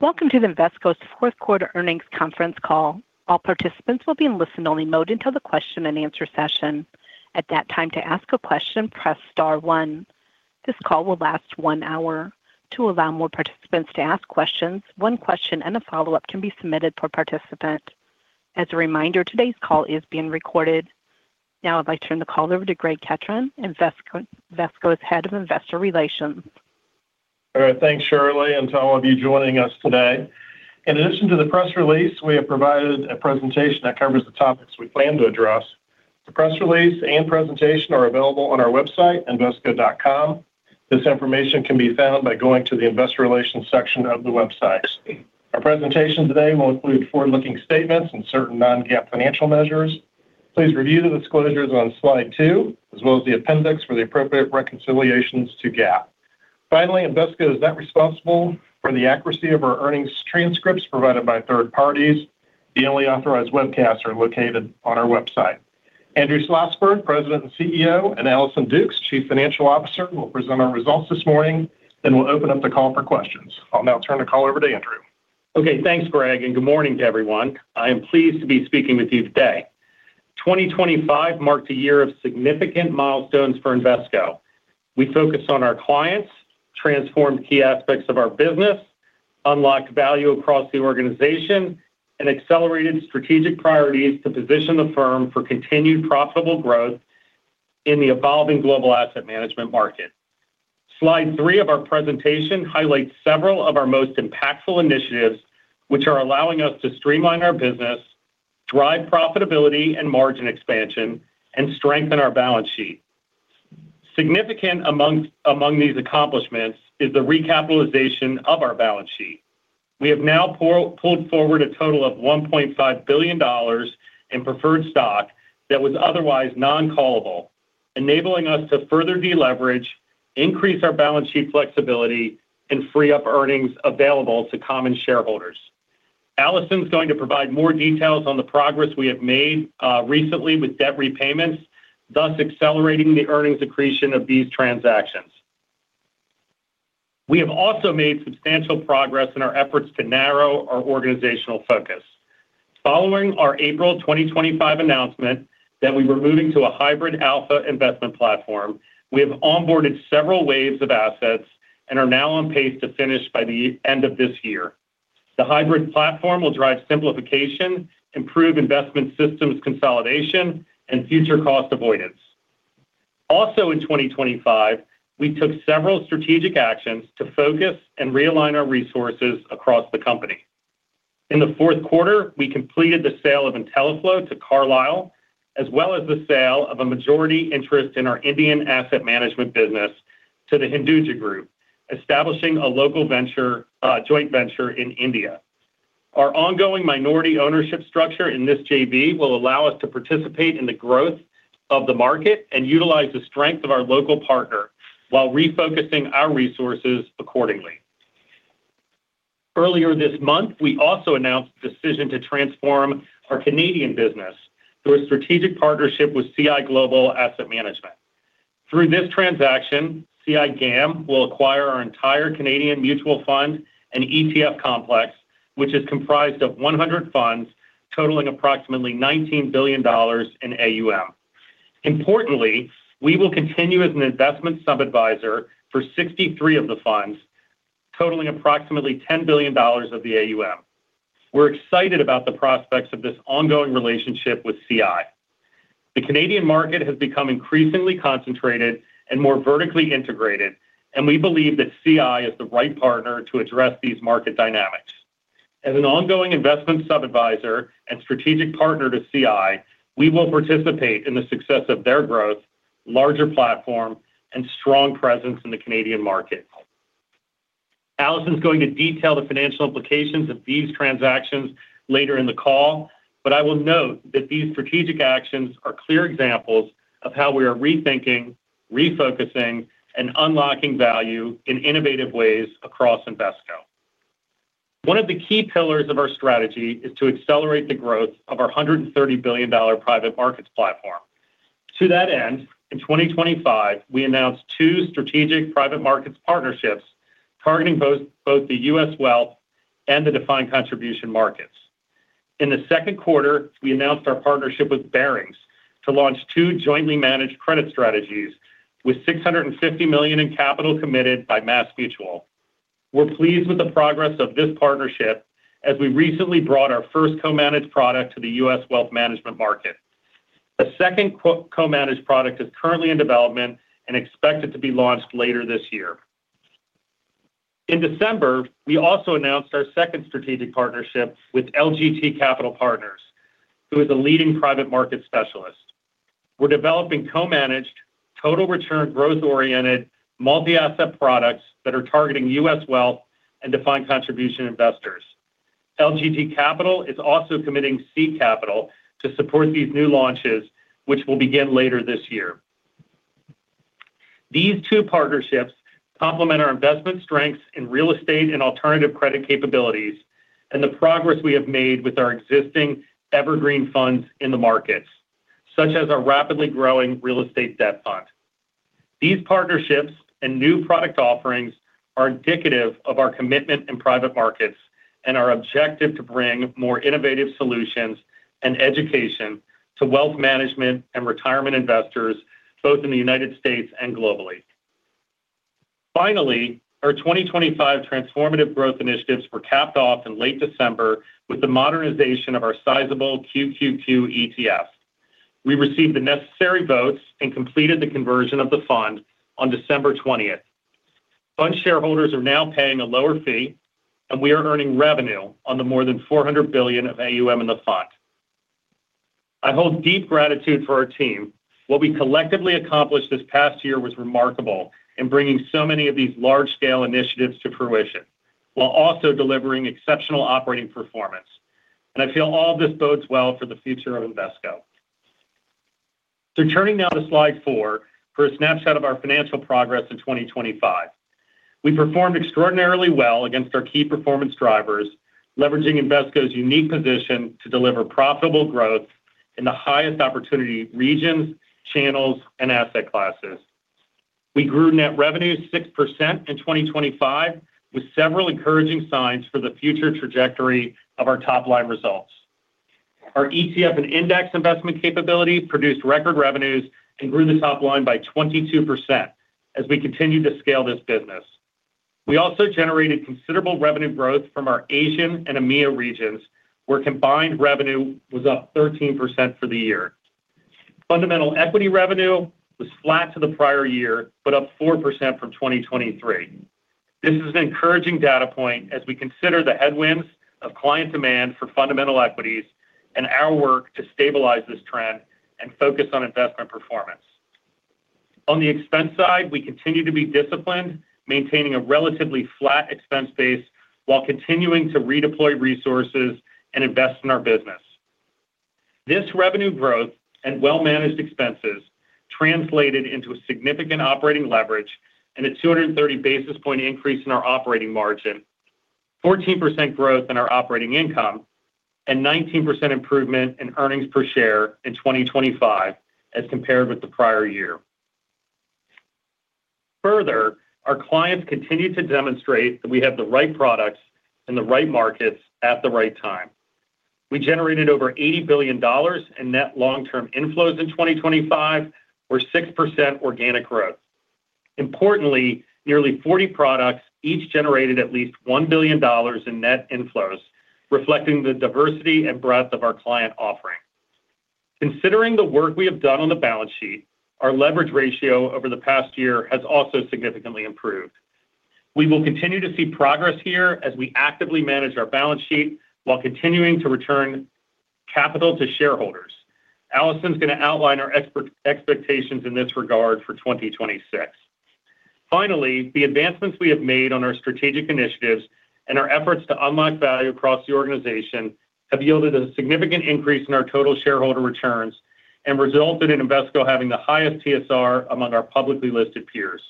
Welcome to Invesco's fourth quarter earnings conference call. All participants will be in listen-only mode until the question and answer session. At that time, to ask a question, press star one. This call will last one hour. To allow more participants to ask questions, one question and a follow-up can be submitted per participant. As a reminder, today's call is being recorded. Now I'd like to turn the call over to Greg Ketron, Invesco's Head of Investor Relations. Thanks, Shirley, and to all of you joining us today. In addition to the press release, we have provided a presentation that covers the topics we plan to address. The press release and presentation are available on our website, invesco.com. This information can be found by going to the Investor Relations section of the website. Our presentation today will include forward-looking statements and certain non-GAAP financial measures. Please review the disclosures on slide two, as well as the appendix for the appropriate reconciliations to GAAP. Finally, Invesco is not responsible for the accuracy of our earnings transcripts provided by third parties. The only authorized webcasts are located on our website. Andrew Schlossberg, President and CEO, and Allison Dukes, Chief Financial Officer, will present our results this morning, then we'll open up the call for questions. I'll now turn the call over to Andrew. Okay, thanks, Greg, and good morning to everyone. I am pleased to be speaking with you today. 2025 marked a year of significant milestones for Invesco. We focused on our clients, transformed key aspects of our business, unlocked value across the organization, and accelerated strategic priorities to position the firm for continued profitable growth in the evolving global asset management market. Slide three of our presentation highlights several of our most impactful initiatives, which are allowing us to streamline our business, drive profitability and margin expansion, and strengthen our balance sheet. Significant among these accomplishments is the recapitalization of our balance sheet. We have now pulled forward a total of $1.5 billion in preferred stock that was otherwise non-callable, enabling us to further deleverage, increase our balance sheet flexibility, and free up earnings available to common shareholders. Allison's going to provide more details on the progress we have made recently with debt repayments, thus accelerating the earnings accretion of these transactions. We have also made substantial progress in our efforts to narrow our organizational focus. Following our April 2025 announcement that we were moving to a hybrid alpha investment platform, we have onboarded several waves of assets and are now on pace to finish by the end of this year. The hybrid platform will drive simplification, improve investment systems consolidation, and future cost avoidance. Also, in 2025, we took several strategic actions to focus and realign our resources across the company. In the fourth quarter, we completed the sale of Intelliflo to Carlyle, as well as the sale of a majority interest in our Indian asset management business to the Hinduja Group, establishing a local venture, joint venture in India. Our ongoing minority ownership structure in this JV will allow us to participate in the growth of the market and utilize the strength of our local partner while refocusing our resources accordingly. Earlier this month, we also announced the decision to transform our Canadian business through a strategic partnership with CI Global Asset Management. Through this transaction, CI GAM will acquire our entire Canadian mutual fund and ETF complex, which is comprised of 100 funds, totaling approximately $19 billion in AUM. Importantly, we will continue as an investment sub-advisor for 63 of the funds, totaling approximately $10 billion of the AUM. We're excited about the prospects of this ongoing relationship with CI. The Canadian market has become increasingly concentrated and more vertically integrated, and we believe that CI is the right partner to address these market dynamics. As an ongoing investment sub-advisor and strategic partner to CI, we will participate in the success of their growth, larger platform, and strong presence in the Canadian market. Allison's going to detail the financial implications of these transactions later in the call, but I will note that these strategic actions are clear examples of how we are rethinking, refocusing, and unlocking value in innovative ways across Invesco. One of the key pillars of our strategy is to accelerate the growth of our $130 billion private markets platform. To that end, in 2025, we announced two strategic private markets partnerships targeting both the U.S. wealth and the defined contribution markets. In the second quarter, we announced our partnership with Barings to launch two jointly managed credit strategies with $650 million in capital committed by MassMutual. We're pleased with the progress of this partnership, as we recently brought our first co-managed product to the U.S. wealth management market. The second co-managed product is currently in development and expected to be launched later this year. In December, we also announced our second strategic partnership with LGT Capital Partners, who is a leading private market specialist. We're developing co-managed, total return, growth-oriented, multi-asset products that are targeting U.S. wealth and defined contribution investors. LGT Capital is also committing seed capital to support these new launches, which will begin later this year. These two partnerships complement our investment strengths in real estate and alternative credit capabilities and the progress we have made with our existing evergreen funds in the markets, such as our rapidly growing real estate debt fund. These partnerships and new product offerings are indicative of our commitment in private markets and our objective to bring more innovative solutions and education to wealth management and retirement investors, both in the United States and globally. Finally, our 2025 transformative growth initiatives were capped off in late December with the modernization of our sizable QQQ ETF. We received the necessary votes and completed the conversion of the fund on December 20th. Fund shareholders are now paying a lower fee, and we are earning revenue on the more than $400 billion of AUM in the fund. I hold deep gratitude for our team. What we collectively accomplished this past year was remarkable in bringing so many of these large-scale initiatives to fruition, while also delivering exceptional operating performance. And I feel all this bodes well for the future of Invesco. So turning now to slide four, for a snapshot of our financial progress in 2025. We performed extraordinarily well against our key performance drivers, leveraging Invesco's unique position to deliver profitable growth in the highest opportunity regions, channels, and asset classes. We grew net revenue 6% in 2025, with several encouraging signs for the future trajectory of our top-line results. Our ETF and index investment capability produced record revenues and grew the top line by 22% as we continued to scale this business. We also generated considerable revenue growth from our Asian and EMEA regions, where combined revenue was up 13% for the year. Fundamental equity revenue was flat to the prior year, but up 4% from 2023. This is an encouraging data point as we consider the headwinds of client demand for Fundamental Equities and our work to stabilize this trend and focus on investment performance. On the expense side, we continue to be disciplined, maintaining a relatively flat expense base while continuing to redeploy resources and invest in our business. This revenue growth and well-managed expenses translated into a significant operating leverage and a 230 basis point increase in our operating margin, 14% growth in our operating income, and 19% improvement in earnings per share in 2025 as compared with the prior year. Further, our clients continue to demonstrate that we have the right products in the right markets at the right time. We generated over $80 billion in net long-term inflows in 2025, or 6% organic growth. Importantly, nearly 40 products, each generated at least $1 billion in net inflows, reflecting the diversity and breadth of our client offering. Considering the work we have done on the balance sheet, our leverage ratio over the past year has also significantly improved. We will continue to see progress here as we actively manage our balance sheet while continuing to return capital to shareholders. Allison's going to outline our EPS expectations in this regard for 2026. Finally, the advancements we have made on our strategic initiatives and our efforts to unlock value across the organization have yielded a significant increase in our total shareholder returns and resulted in Invesco having the highest TSR among our publicly listed peers.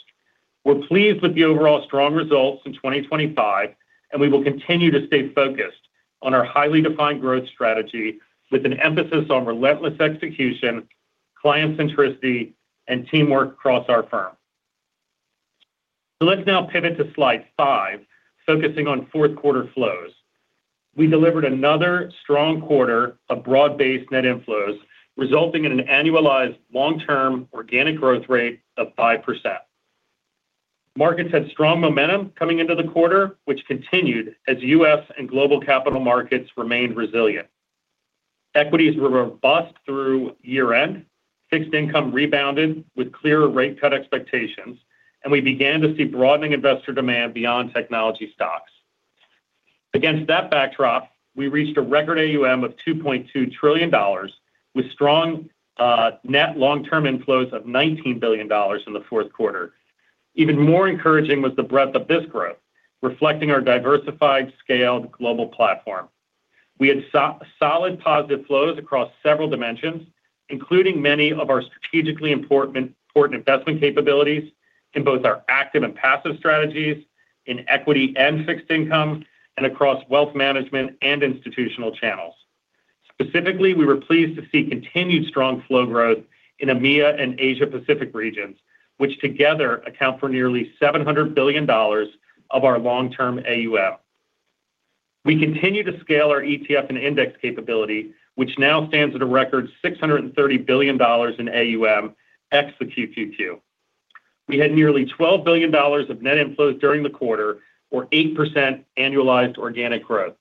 We're pleased with the overall strong results in 2025, and we will continue to stay focused on our highly defined growth strategy with an emphasis on relentless execution, client centricity, and teamwork across our firm. So let's now pivot to slide 5, focusing on fourth quarter flows. We delivered another strong quarter of broad-based net inflows, resulting in an annualized long-term organic growth rate of 5%. Markets had strong momentum coming into the quarter, which continued as U.S. and global capital markets remained resilient. Equities were robust through year-end. Fixed income rebounded with clearer rate cut expectations, and we began to see broadening investor demand beyond technology stocks. Against that backdrop, we reached a record AUM of $2.2 trillion, with strong net long-term inflows of $19 billion in the fourth quarter. Even more encouraging was the breadth of this growth, reflecting our diversified, scaled global platform. We had solid positive flows across several dimensions, including many of our strategically important, important investment capabilities in both our active and passive strategies, in equity and fixed income, and across wealth management and institutional channels. Specifically, we were pleased to see continued strong flow growth in EMEA and Asia Pacific regions, which together account for nearly $700 billion of our long-term AUM. We continue to scale our ETF and index capability, which now stands at a record $630 billion in AUM, ex the QQQ. We had nearly $12 billion of net inflows during the quarter, or 8% annualized organic growth.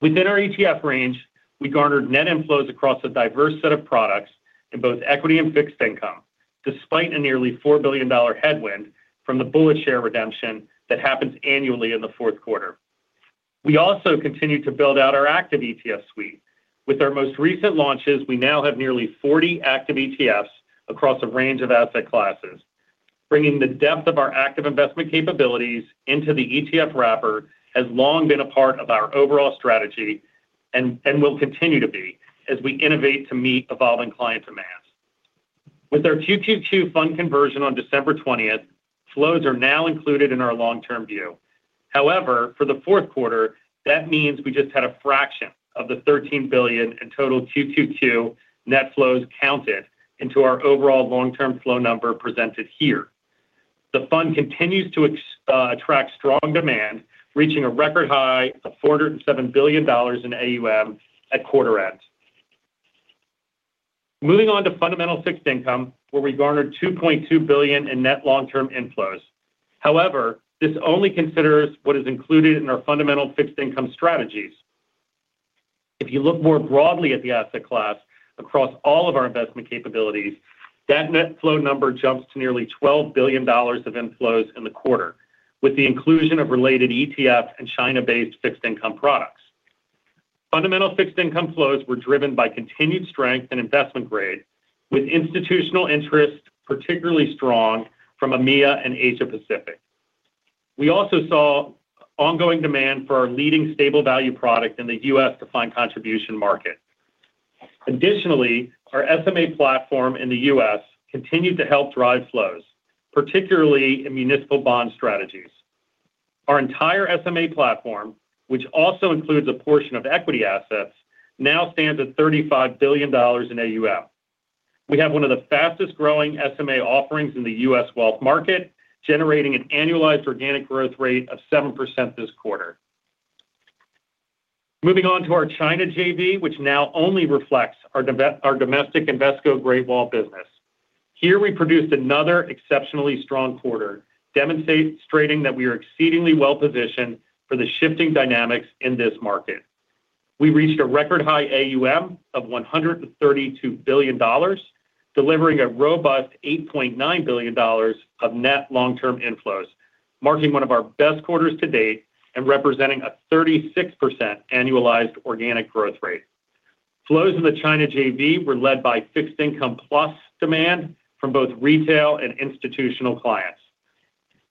Within our ETF range, we garnered net inflows across a diverse set of products in both equity and fixed income, despite a nearly $4 billion headwind from the BulletShares redemption that happens annually in the fourth quarter. We also continued to build out our active ETF suite. With our most recent launches, we now have nearly 40 active ETFs across a range of asset classes, bringing the depth of our active investment capabilities into the ETF wrapper has long been a part of our overall strategy and will continue to be as we innovate to meet evolving client demands. With our QQQ fund conversion on December twentieth, flows are now included in our long-term view. However, for the fourth quarter, that means we just had a fraction of the $13 billion in total QQQ net flows counted into our overall long-term flow number presented here. The fund continues to attract strong demand, reaching a record high of $407 billion in AUM at quarter end. Moving on to Fundamental Fixed Income, where we garnered $2.2 billion in net long-term inflows. However, this only considers what is included in our Fundamental Fixed Income strategies. If you look more broadly at the asset class across all of our investment capabilities, that net flow number jumps to nearly $12 billion of inflows in the quarter, with the inclusion of related ETFs and China-based fixed income products. Fundamental fixed income flows were driven by continued strength and investment grade, with institutional interest, particularly strong from EMEA and Asia Pacific. We also saw ongoing demand for our leading stable value product in the U.S. defined contribution market. Additionally, our SMA platform in the U.S. continued to help drive flows, particularly in municipal bond strategies. Our entire SMA platform, which also includes a portion of equity assets, now stands at $35 billion in AUM. We have one of the fastest-growing SMA offerings in the U.S. wealth market, generating an annualized organic growth rate of 7% this quarter. Moving on to our China JV, which now only reflects our domestic Invesco Great Wall business. Here, we produced another exceptionally strong quarter, demonstrating that we are exceedingly well-positioned for the shifting dynamics in this market. We reached a record-high AUM of $132 billion, delivering a robust $8.9 billion of net long-term inflows, marking one of our best quarters to date and representing a 36% annualized organic growth rate. Flows in the China JV were led by fixed income plus demand from both retail and institutional clients.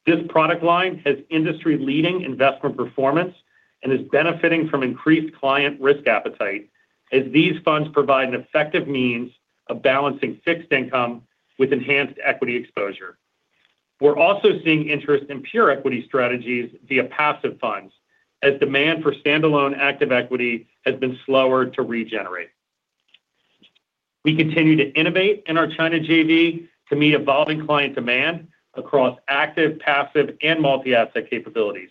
This product line has industry-leading investment performance and is benefiting from increased client risk appetite, as these funds provide an effective means of balancing fixed income with enhanced equity exposure. We're also seeing interest in pure equity strategies via passive funds, as demand for standalone active equity has been slower to regenerate. We continue to innovate in our China JV to meet evolving client demand across active, passive, and multi-asset capabilities.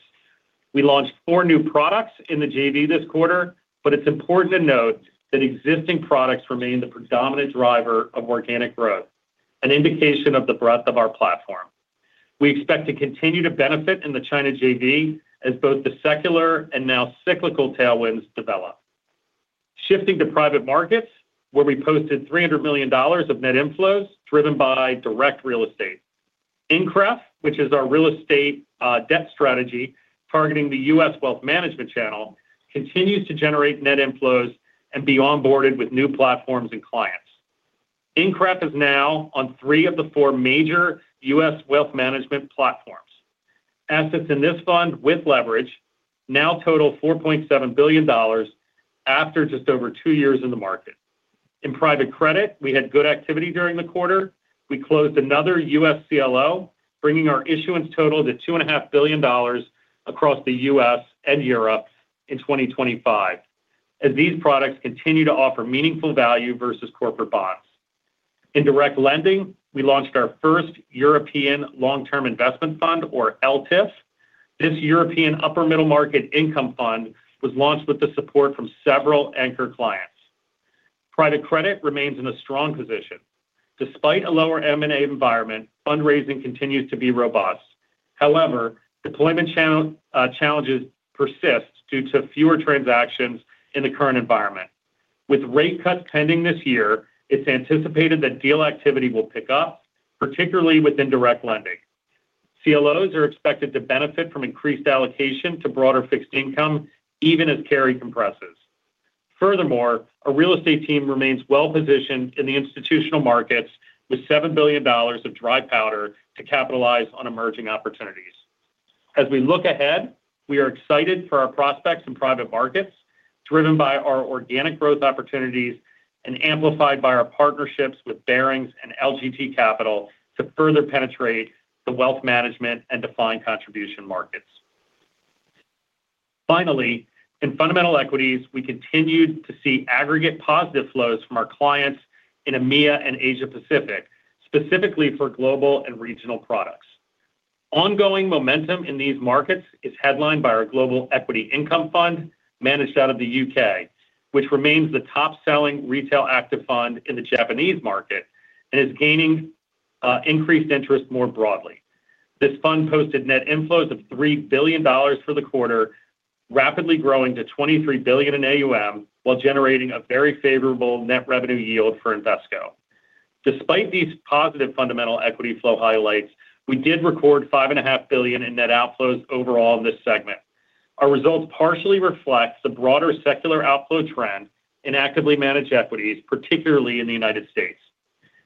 We launched four new products in the JV this quarter, but it's important to note that existing products remain the predominant driver of organic growth, an indication of the breadth of our platform. We expect to continue to benefit in the China JV as both the secular and now cyclical tailwinds develop. Shifting to private markets, where we posted $300 million of net inflows, driven by direct real estate. INCREF, which is our real estate debt strategy, targeting the U.S. wealth management channel, continues to generate net inflows and be onboarded with new platforms and clients. INCREF is now on three of the four major U.S. wealth management platforms. Assets in this fund with leverage now total $4.7 billion after just over two years in the market. In private credit, we had good activity during the quarter. We closed another U.S. CLO, bringing our issuance total to $2.5 billion across the U.S. and Europe in 2025, as these products continue to offer meaningful value versus corporate bonds. In direct lending, we launched our first European Long-Term Investment Fund, or LTIF. This European upper middle-market income fund was launched with the support from several anchor clients. Private credit remains in a strong position. Despite a lower M&A environment, fundraising continues to be robust. However, deployment challenges persist due to fewer transactions in the current environment. With rate cuts pending this year, it's anticipated that deal activity will pick up, particularly within direct lending. CLOs are expected to benefit from increased allocation to broader fixed income, even as carry compresses. Furthermore, our real estate team remains well-positioned in the institutional markets with $7 billion of dry powder to capitalize on emerging opportunities. As we look ahead, we are excited for our prospects in private markets, driven by our organic growth opportunities and amplified by our partnerships with Barings and LGT Capital to further penetrate the wealth management and defined contribution markets. Finally, in Fundamental Equities, we continued to see aggregate positive flows from our clients in EMEA and Asia Pacific, specifically for global and regional products. Ongoing momentum in these markets is headlined by our Global Equity Income Fund, managed out of the U.K., which remains the top-selling retail active fund in the Japanese market and is gaining, increased interest more broadly. This fund posted net inflows of $3 billion for the quarter, rapidly growing to $23 billion in AUM, while generating a very favorable net revenue yield for Invesco. Despite these positive fundamental equity flow highlights, we did record $5.5 billion in net outflows overall in this segment. Our results partially reflects the broader secular outflow trend in actively managed equities, particularly in the United States.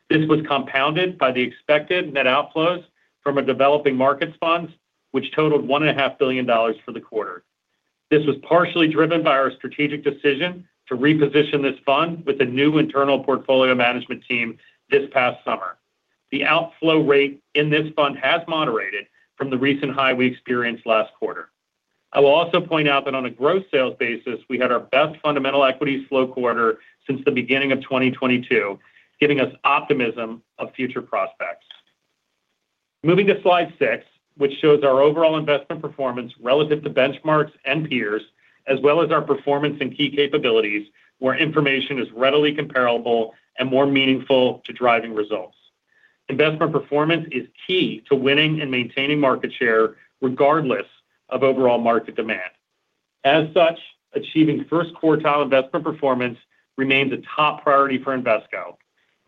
This was compounded by the expected net outflows from developing markets funds, which totaled $1.5 billion for the quarter. This was partially driven by our strategic decision to reposition this fund with a new internal portfolio management team this past summer. The outflow rate in this fund has moderated from the recent high we experienced last quarter. I will also point out that on a gross sales basis, we had our best Fundamental Equities flow quarter since the beginning of 2022, giving us optimism of future prospects. Moving to slide 6, which shows our overall investment performance relative to benchmarks and peers, as well as our performance and key capabilities, where information is readily comparable and more meaningful to driving results. Investment performance is key to winning and maintaining market share, regardless of overall market demand. As such, achieving first quartile investment performance remains a top priority for Invesco.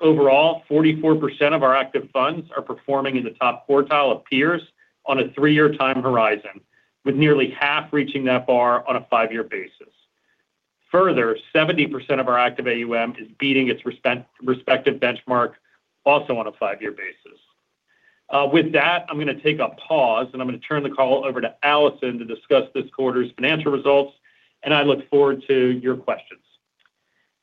Overall, 44% of our active funds are performing in the top quartile of peers on a three-year time horizon, with nearly half reaching that bar on a five-year basis. Further, 70% of our active AUM is beating its respective benchmark also on a five-year basis. With that, I'm going to take a pause, and I'm going to turn the call over to Allison to discuss this quarter's financial results, and I look forward to your questions.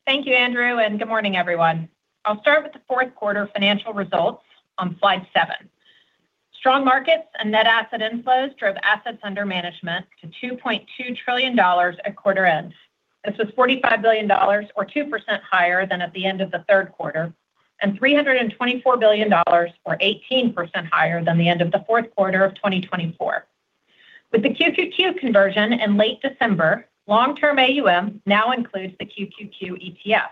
Thank you, Andrew, and good morning, everyone. I'll start with the fourth quarter financial results on slide seven. Strong markets and net asset inflows drove assets under management to $2.2 trillion at quarter end. This was $45 billion or 2% higher than at the end of the third quarter, and $324 billion or 18% higher than the end of the fourth quarter of 2024. With the QQQ conversion in late December, long-term AUM now includes the QQQ ETF.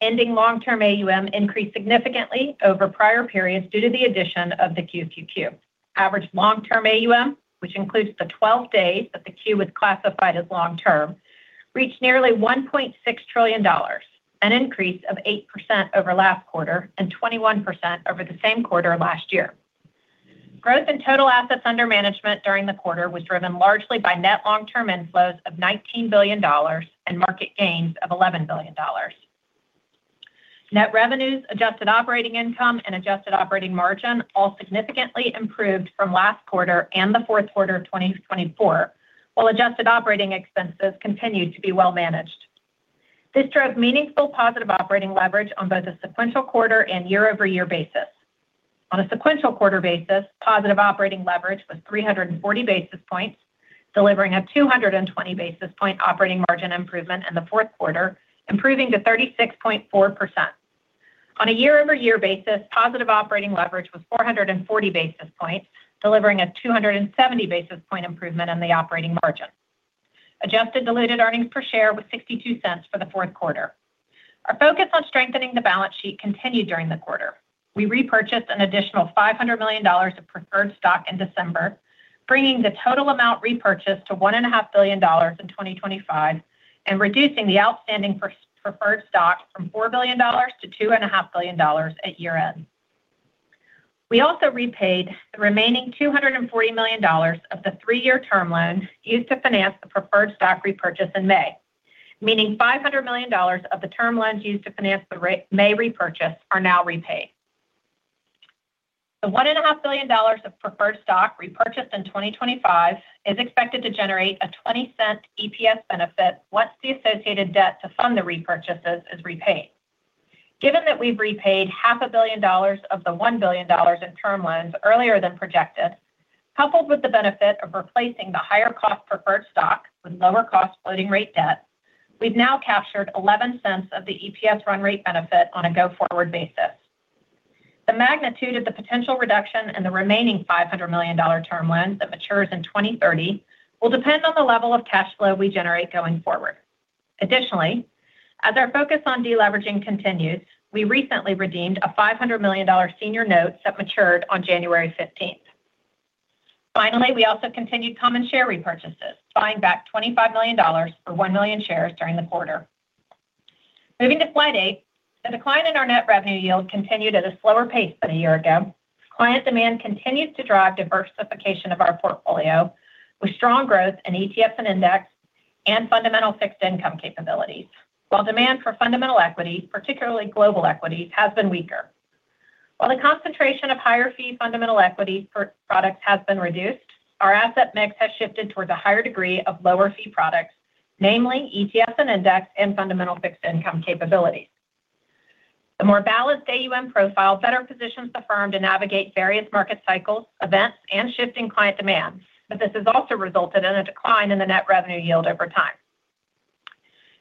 Ending long-term AUM increased significantly over prior periods due to the addition of the QQQ. Average long-term AUM, which includes the 12 days that the Q was classified as long-term, reached nearly $1.6 trillion, an increase of 8% over last quarter and 21% over the same quarter last year. Growth in total assets under management during the quarter was driven largely by net long-term inflows of $19 billion and market gains of $11 billion. Net revenues, adjusted operating income, and adjusted operating margin all significantly improved from last quarter and the fourth quarter of 2024, while adjusted operating expenses continued to be well managed. This drove meaningful positive operating leverage on both a sequential quarter and year-over-year basis. On a sequential quarter basis, positive operating leverage was 340 basis points, delivering a 220 basis point operating margin improvement in the fourth quarter, improving to 36.4%. On a year-over-year basis, positive operating leverage was 440 basis points, delivering a 270 basis point improvement in the operating margin. Adjusted diluted earnings per share was $0.62 for the fourth quarter. Our focus on strengthening the balance sheet continued during the quarter. We repurchased an additional $5 million of preferred stock in December, bringing the total amount repurchased to $1.5 billion in 2025 and reducing the outstanding preferred stock from $4 billion to $2.5 billion at year-end. We also repaid the remaining $240 million of the 3-year term loan used to finance the preferred stock repurchase in May, meaning $500 million of the term loans used to finance the May repurchase are now repaid. The $1.5 billion of preferred stock repurchased in 2025 is expected to generate a $0.20 EPS benefit once the associated debt to fund the repurchases is repaid. Given that we've repaid $500 million of the $1 billion in term loans earlier than projected, coupled with the benefit of replacing the higher-cost preferred stock with lower-cost floating rate debt, we've now captured $0.11 of the EPS run rate benefit on a go-forward basis. The magnitude of the potential reduction in the remaining $500 million term loans that matures in 2030 will depend on the level of cash flow we generate going forward. Additionally, as our focus on deleveraging continues, we recently redeemed $500 million senior notes that matured on January 15. Finally, we also continued common share repurchases, buying back $25 million or 1 million shares during the quarter. Moving to slide 8, the decline in our net revenue yield continued at a slower pace than a year ago. Client demand continues to drive diversification of our portfolio, with strong growth in ETFs and index and fundamental fixed income capabilities. While demand for fundamental equity, particularly global equity, has been weaker. While the concentration of higher fee fundamental equity per product has been reduced, our asset mix has shifted towards a higher degree of lower fee products, namely ETFs and index and fundamental fixed income capabilities. The more balanced AUM profile better positions the firm to navigate various market cycles, events, and shifting client demands, but this has also resulted in a decline in the net revenue yield over time.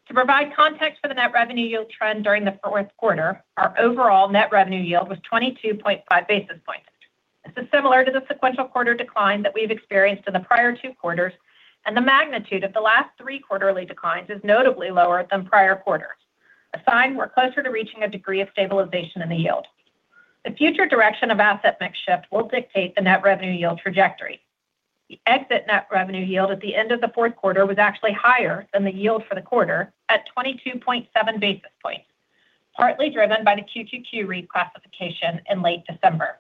To provide context for the net revenue yield trend during the fourth quarter, our overall net revenue yield was 22.5 basis points. This is similar to the sequential quarter decline that we've experienced in the prior two quarters, and the magnitude of the last three quarterly declines is notably lower than prior quarters, a sign we're closer to reaching a degree of stabilization in the yield. The future direction of asset mix shift will dictate the net revenue yield trajectory. The exit net revenue yield at the end of the fourth quarter was actually higher than the yield for the quarter at 22.7 basis points, partly driven by the QQQ reclassification in late December.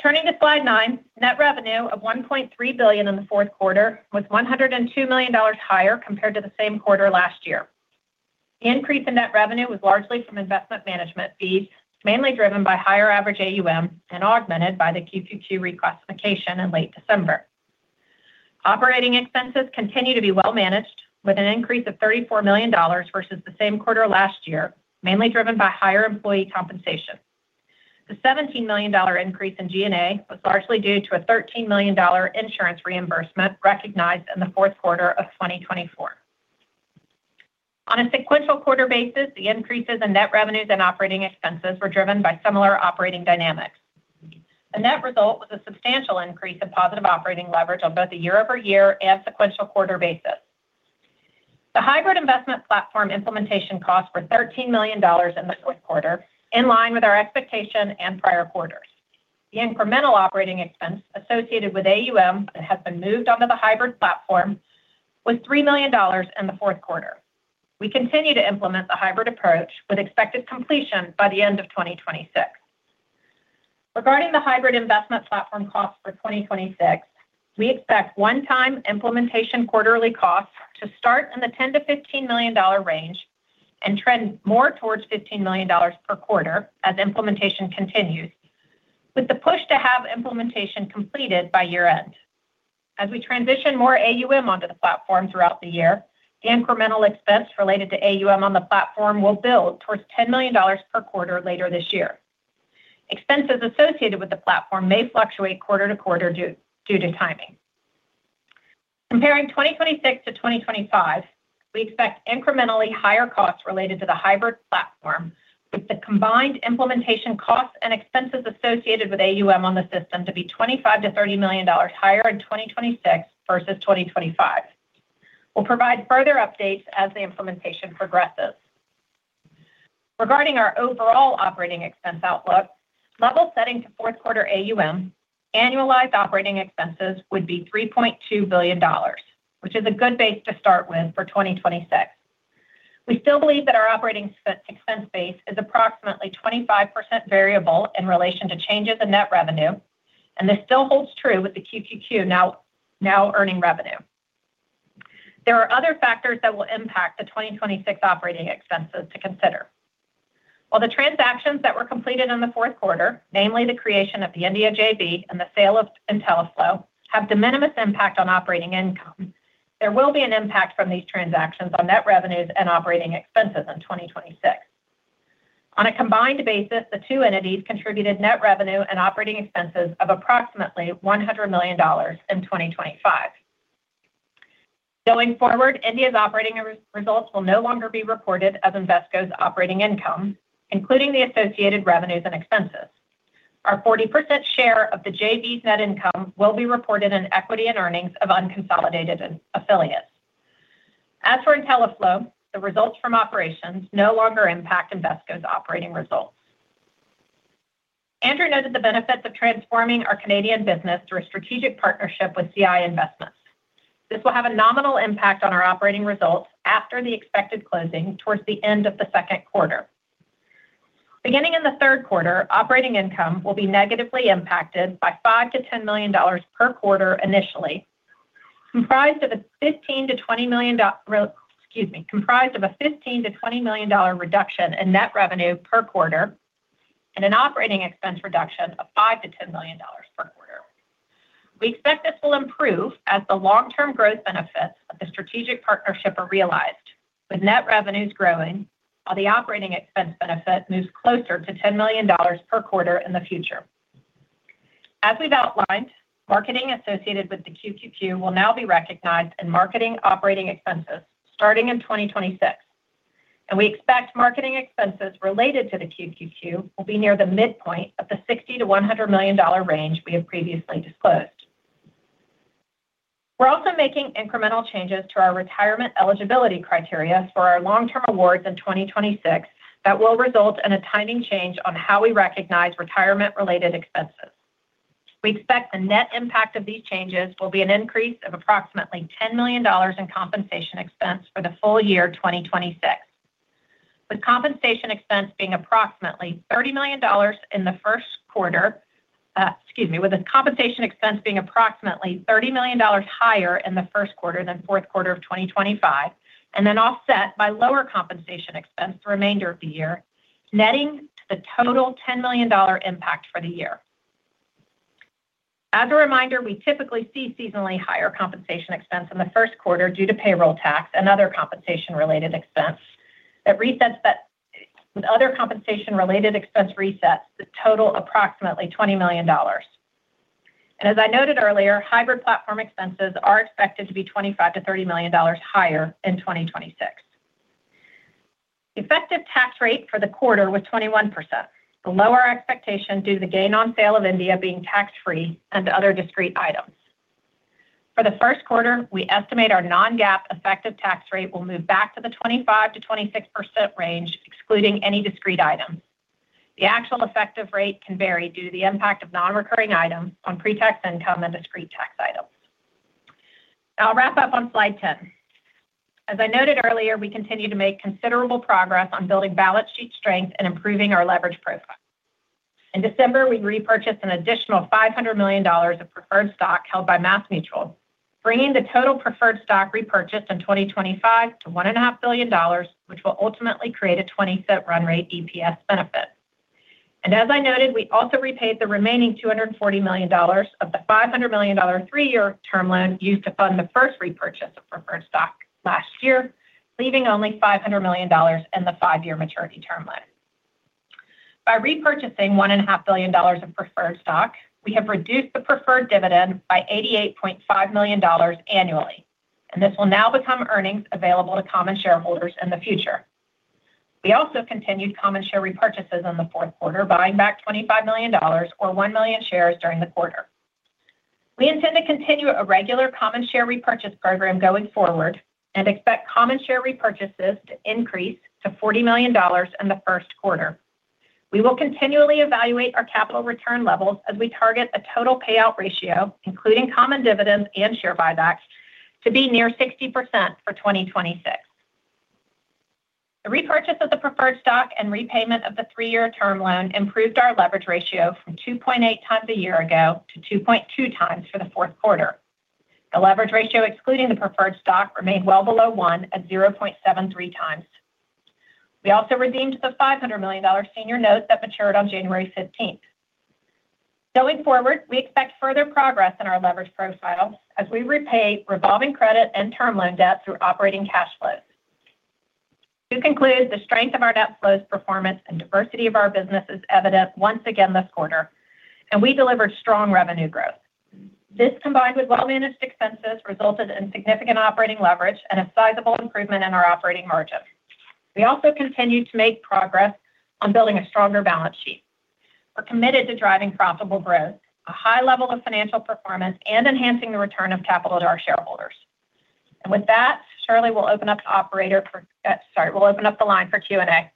Turning to slide 9, net revenue of $1.3 billion in the fourth quarter was $102 million higher compared to the same quarter last year. The increase in net revenue was largely from investment management fees, mainly driven by higher average AUM and augmented by the QQQ reclassification in late December. Operating expenses continue to be well managed, with an increase of $34 million versus the same quarter last year, mainly driven by higher employee compensation. The $17 million increase in G&A was largely due to a $13 million insurance reimbursement recognized in the fourth quarter of 2024. On a sequential quarter basis, the increases in net revenues and operating expenses were driven by similar operating dynamics. The net result was a substantial increase in positive operating leverage on both a year-over-year and sequential quarter basis. The hybrid investment platform implementation costs were $13 million in the fourth quarter, in line with our expectation and prior quarters. The incremental operating expense associated with AUM that has been moved onto the hybrid platform was $3 million in the fourth quarter. We continue to implement the hybrid approach, with expected completion by the end of 2026. Regarding the hybrid investment platform costs for 2026, we expect one-time implementation quarterly costs to start in the $10 million-$15 million range and trend more towards $15 million per quarter as implementation continues, with the push to have implementation completed by year-end. As we transition more AUM onto the platform throughout the year, the incremental expense related to AUM on the platform will build towards $10 million per quarter later this year. Expenses associated with the platform may fluctuate quarter to quarter due to timing. Comparing 2026 to 2025, we expect incrementally higher costs related to the hybrid platform, with the combined implementation costs and expenses associated with AUM on the system to be $25 million-$30 million higher in 2026 versus 2025. We'll provide further updates as the implementation progresses. Regarding our overall operating expense outlook, level setting to fourth quarter AUM, annualized operating expenses would be $3.2 billion, which is a good base to start with for 2026. We still believe that our operating expense base is approximately 25% variable in relation to changes in net revenue, and this still holds true with the QQQ now earning revenue. There are other factors that will impact the 2026 operating expenses to consider. While the transactions that were completed in the fourth quarter, namely the creation of the India JV and the sale of Intelliflo, have de minimis impact on operating income, there will be an impact from these transactions on net revenues and operating expenses in 2026. On a combined basis, the two entities contributed net revenue and operating expenses of approximately $100 million in 2025. Going forward, India's operating results will no longer be reported as Invesco's operating income, including the associated revenues and expenses. Our 40% share of the JV's net income will be reported in equity in earnings of unconsolidated and affiliates. As for Intelliflo, the results from operations no longer impact Invesco's operating results. Andrew noted the benefits of transforming our Canadian business through a strategic partnership with CI Investments. This will have a nominal impact on our operating results after the expected closing towards the end of the second quarter. Beginning in the third quarter, operating income will be negatively impacted by $5 million-$10 million per quarter, initially, comprised of a $15 million-$20 million dollar reduction in net revenue per quarter and an operating expense reduction of $5 million-$10 million per quarter. We expect this will improve as the long-term growth benefits of the strategic partnership are realized, with net revenues growing while the operating expense benefit moves closer to $10 million per quarter in the future. As we've outlined, marketing associated with the QQQ will now be recognized in marketing operating expenses starting in 2026, and we expect marketing expenses related to the QQQ will be near the midpoint of the $60 million-$100 million range we have previously disclosed. We're also making incremental changes to our retirement eligibility criteria for our long-term awards in 2026 that will result in a timing change on how we recognize retirement-related expenses. We expect the net impact of these changes will be an increase of approximately $10 million in compensation expense for the full year 2026, with compensation expense being approximately $30 million in the first quarter. Excuse me, with the compensation expense being approximately $30 million higher in the first quarter than fourth quarter of 2025, and then offset by lower compensation expense for the remainder of the year, netting to the total $10 million impact for the year. As a reminder, we typically see seasonally higher compensation expense in the first quarter due to payroll tax and other compensation-related expense. That resets that. With other compensation-related expense resets that total approximately $20 million. And as I noted earlier, hybrid platform expenses are expected to be $25 million-$30 million higher in 2026. The effective tax rate for the quarter was 21%, below our expectation, due to the gain on sale of India being tax-free and to other discrete items. For the first quarter, we estimate our non-GAAP effective tax rate will move back to the 25%-26% range, excluding any discrete items. The actual effective rate can vary due to the impact of non-recurring items on pre-tax income and discrete tax items. I'll wrap up on slide 10. As I noted earlier, we continue to make considerable progress on building balance sheet strength and improving our leverage profile. In December, we repurchased an additional $500 million of preferred stock held by MassMutual, bringing the total preferred stock repurchased in 2025 to $1.5 billion, which will ultimately create a $0.20 run rate EPS benefit. As I noted, we also repaid the remaining $240 million of the $500 million three-year term loan used to fund the first repurchase of preferred stock last year, leaving only $500 million in the five-year maturity term loan. By repurchasing $1.5 billion of preferred stock, we have reduced the preferred dividend by $88.5 million annually, and this will now become earnings available to common shareholders in the future. We also continued common share repurchases in the fourth quarter, buying back $25 million or 1 million shares during the quarter. We intend to continue a regular common share repurchase program going forward and expect common share repurchases to increase to $40 million in the first quarter. We will continually evaluate our capital return levels as we target a total payout ratio, including common dividends and share buybacks, to be near 60% for 2026. The repurchase of the preferred stock and repayment of the three-year term loan improved our leverage ratio from 2.8 times a year ago to 2.2 times for the fourth quarter. The leverage ratio, excluding the preferred stock, remained well below one at 0.73 times. We also redeemed the $500 million senior notes that matured on January fifteenth. Going forward, we expect further progress in our leverage profile as we repay revolving credit and term loan debt through operating cash flows. To conclude, the strength of our net flows, performance, and diversity of our business is evident once again this quarter, and we delivered strong revenue growth. This, combined with well-managed expenses, resulted in significant operating leverage and a sizable improvement in our operating margin. We also continued to make progress on building a stronger balance sheet. We're committed to driving profitable growth, a high level of financial performance, and enhancing the return of capital to our shareholders. With that, Shirley, we'll open up the line for Q&A.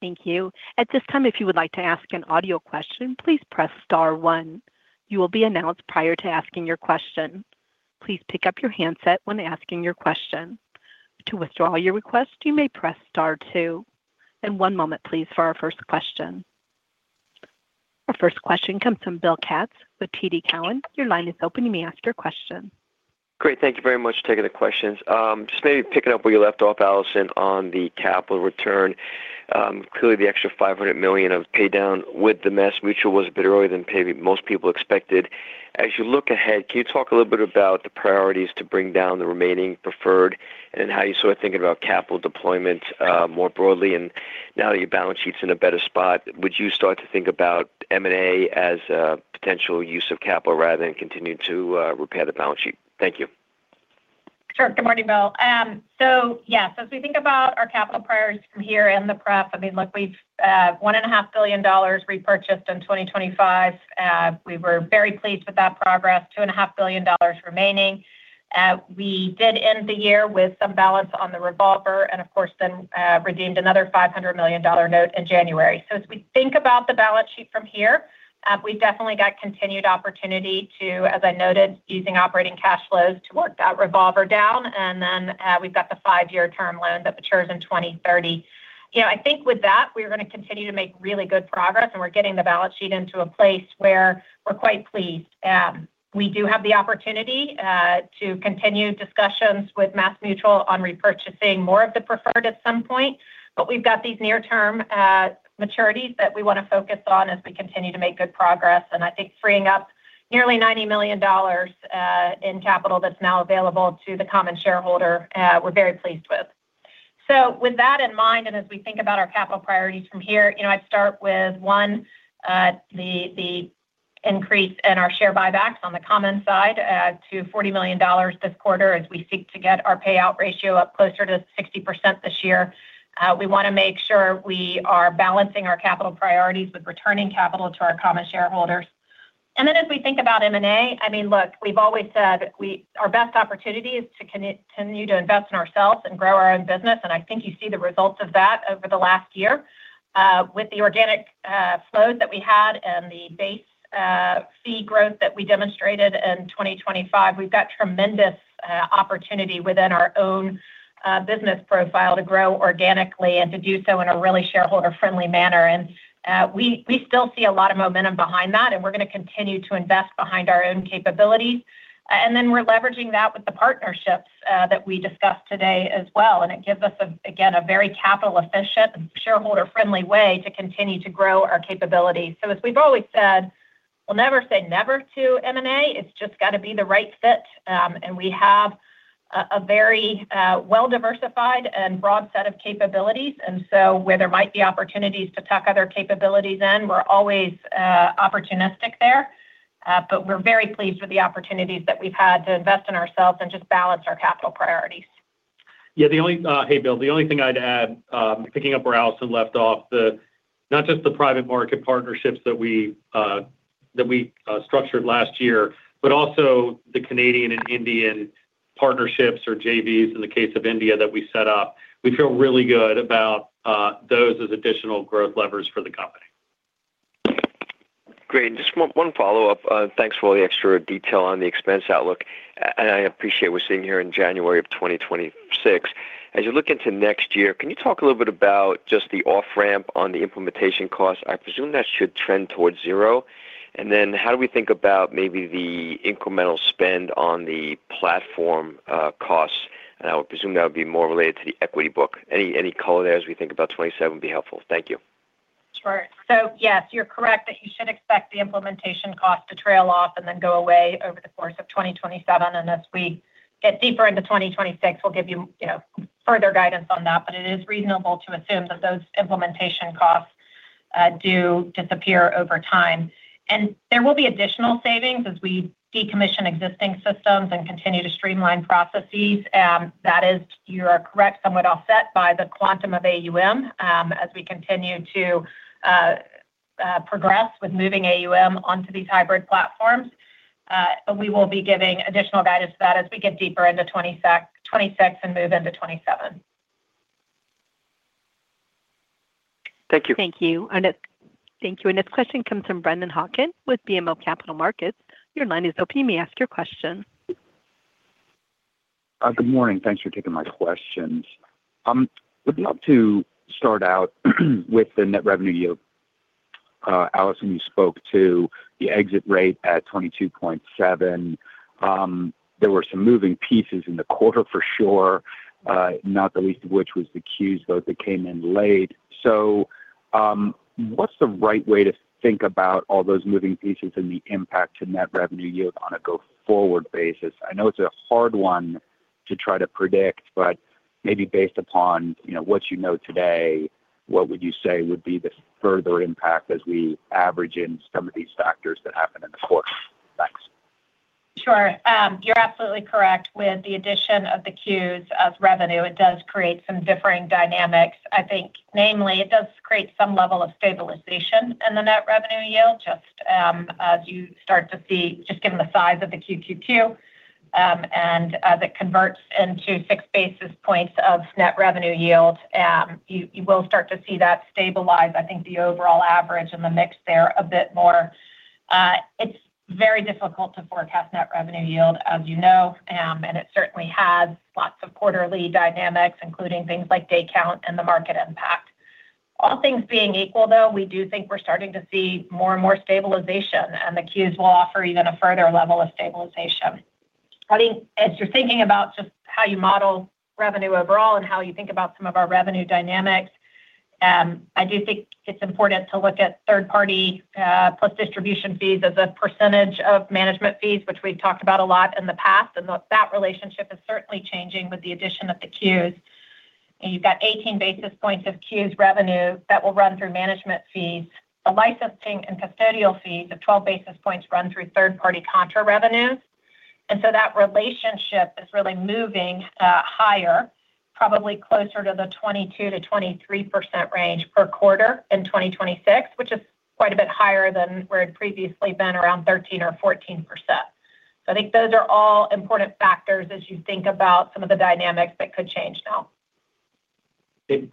Thank you. At this time, if you would like to ask an audio question, please press star one. You will be announced prior to asking your question. Please pick up your handset when asking your question. To withdraw your request, you may press star two. One moment, please, for our first question. Our first question comes from Bill Katz with TD Cowen. Your line is open. You may ask your question. Great. Thank you very much for taking the questions. Just maybe picking up where you left off, Allison, on the capital return. Clearly, the extra $500 million of pay down with the MassMutual was a bit earlier than maybe most people expected. As you look ahead, can you talk a little bit about the priorities to bring down the remaining preferred and how you sort of thinking about capital deployment, more broadly? And now that your balance sheet's in a better spot, would you start to think about M&A as a potential use of capital rather than continuing to, repair the balance sheet? Thank you. Sure. Good morning, Bill. So yes, as we think about our capital priorities from here and the prep, I mean, look, we've $1.5 billion repurchased in 2025. We were very pleased with that progress, $2.5 billion remaining. We did end the year with some balance on the revolver and, of course, then, redeemed another $500 million note in January. So as we think about the balance sheet from here, we've definitely got continued opportunity to, as I noted, using operating cash flows to work that revolver down, and then, we've got the 5-year term loan that matures in 2030. You know, I think with that, we're going to continue to make really good progress, and we're getting the balance sheet into a place where we're quite pleased. We do have the opportunity to continue discussions with MassMutual on repurchasing more of the preferred at some point, but we've got these near-term maturities that we want to focus on as we continue to make good progress. And I think freeing up nearly $90 million in capital that's now available to the common shareholder, we're very pleased with. So with that in mind, and as we think about our capital priorities from here, you know, I'd start with one, the increase in our share buybacks on the common side to $40 million this quarter as we seek to get our payout ratio up closer to 60% this year. We want to make sure we are balancing our capital priorities with returning capital to our common shareholders. And then as we think about M&A, I mean, look, we've always said our best opportunity is to continue to invest in ourselves and grow our own business, and I think you see the results of that over the last year. With the organic flows that we had and the base fee growth that we demonstrated in 2025, we've got tremendous opportunity within our own business profile to grow organically and to do so in a really shareholder-friendly manner. And we still see a lot of momentum behind that, and we're going to continue to invest behind our own capabilities. And then we're leveraging that with the partnerships that we discussed today as well, and it gives us, again, a very capital-efficient and shareholder-friendly way to continue to grow our capabilities. So as we've always said, we'll never say never to M&A. It's just got to be the right fit, and we have a very, well-diversified and broad set of capabilities. And so where there might be opportunities to tuck other capabilities in, we're always, opportunistic there. But we're very pleased with the opportunities that we've had to invest in ourselves and just balance our capital priorities. Hey, Bill. The only thing I'd add, picking up where Allison left off, not just the private market partnerships that we structured last year, but also the Canadian and Indian partnerships or JVs, in the case of India, that we set up. We feel really good about those as additional growth levers for the company.... Great. And just one follow-up. Thanks for all the extra detail on the expense outlook, and I appreciate we're sitting here in January of 2026. As you look into next year, can you talk a little bit about just the off-ramp on the implementation costs? I presume that should trend towards zero. And then how do we think about maybe the incremental spend on the platform costs? And I would presume that would be more related to the equity book. Any color there as we think about 2027 would be helpful. Thank you. Sure. So yes, you're correct that you should expect the implementation cost to trail off and then go away over the course of 2027. And as we get deeper into 2026, we'll give you, you know, further guidance on that. But it is reasonable to assume that those implementation costs do disappear over time, and there will be additional savings as we decommission existing systems and continue to streamline processes. That is, you are correct, somewhat offset by the quantum of AUM. As we continue to progress with moving AUM onto these hybrid platforms, we will be giving additional guidance to that as we get deeper into 2026 and move into 2027. Thank you. Thank you. Thank you. Our next question comes from Brennan Hawken with UBS. Your line is open. You may ask your question. Good morning. Thanks for taking my questions. Would love to start out with the net revenue yield. Allison, you spoke to the exit rate at 22.7. There were some moving pieces in the quarter for sure, not the least of which was the Qs, though, that came in late. So, what's the right way to think about all those moving pieces and the impact to net revenue yield on a go-forward basis? I know it's a hard one to try to predict, but maybe based upon, you know, what you know today, what would you say would be the further impact as we average in some of these factors that happened in the quarter? Thanks. Sure. You're absolutely correct. With the addition of the Qs as revenue, it does create some differing dynamics. I think namely, it does create some level of stabilization in the net revenue yield, just, as you start to see, just given the size of the QQQ, and as it converts into 6 basis points of net revenue yield, you, you will start to see that stabilize. I think the overall average and the mix there a bit more. It's very difficult to forecast net revenue yield, as you know, and it certainly has lots of quarterly dynamics, including things like day count and the market impact. All things being equal, though, we do think we're starting to see more and more stabilization, and the Qs will offer even a further level of stabilization. I think as you're thinking about just how you model revenue overall and how you think about some of our revenue dynamics, I do think it's important to look at third-party plus distribution fees as a percentage of management fees, which we've talked about a lot in the past, and that relationship is certainly changing with the addition of the Qs. And you've got 18 basis points of Qs revenue that will run through management fees. The licensing and custodial fees of 12 basis points run through third-party distribution revenues. And so that relationship is really moving higher, probably closer to the 22%-23% range per quarter in 2026, which is quite a bit higher than where it had previously been, around 13% or 14%. I think those are all important factors as you think about some of the dynamics that could change now.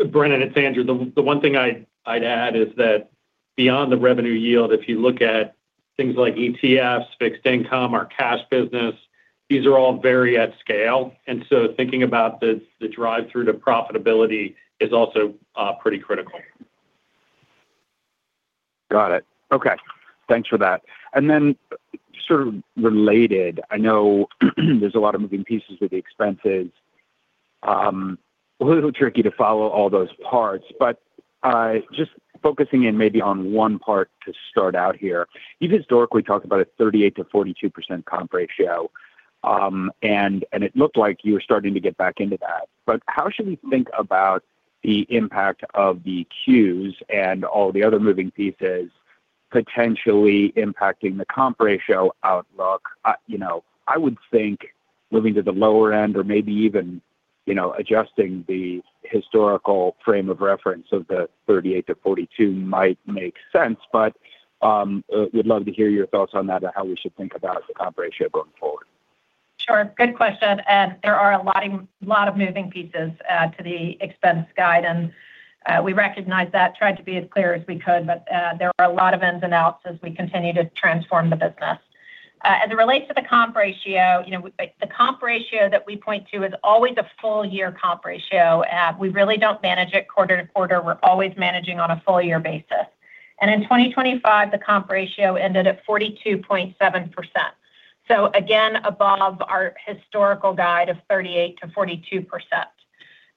Brendan, it's Andrew. The one thing I'd add is that beyond the revenue yield, if you look at things like ETFs, fixed income, our cash business, these are all very at scale, and so thinking about the flow-through to profitability is also pretty critical. Got it. Okay, thanks for that. And then sort of related, I know there's a lot of moving pieces with the expenses. A little tricky to follow all those parts, but just focusing in maybe on one part to start out here. You've historically talked about a 38%-42% comp ratio, and it looked like you were starting to get back into that. But how should we think about the impact of the Qs and all the other moving pieces potentially impacting the comp ratio outlook? You know, I would think moving to the lower end or maybe even, you know, adjusting the historical frame of reference of the 38%-42% might make sense, but would love to hear your thoughts on that or how we should think about the comp ratio going forward. Sure. Good question, and there are a lot of, lot of moving pieces, to the expense guide, and, we recognize that. Tried to be as clear as we could, but, there are a lot of ins and outs as we continue to transform the business. As it relates to the comp ratio, you know, the comp ratio that we point to is always a full year comp ratio. We really don't manage it quarter to quarter. We're always managing on a full year basis. And in 2025, the comp ratio ended at 42.7%. So again, above our historical guide of 38%-42%.